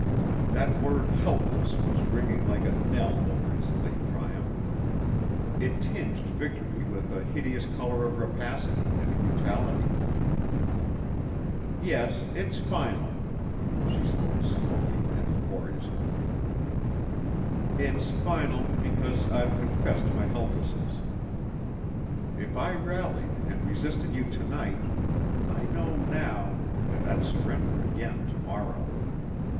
That word "helpless" was ringing like a knell over his late triumph. It tinged victory with a hideous color of rapacity and brutality. "Yes it's final." She spoke slowly and laboriously. "It's final because I've confessed my helplessness. If I rallied and resisted you to night ... I know now ... that I'd surrender again to morrow.